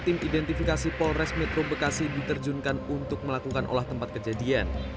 tim identifikasi polres metro bekasi diterjunkan untuk melakukan olah tempat kejadian